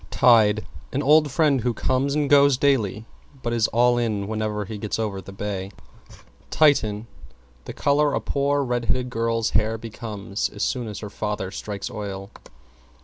=TIDE= An old friend who comes and goes daily but is all in whenever he gets over the bay. =TITIAN= The color a poor red headed girl's hair becomes as soon as her father strikes oil.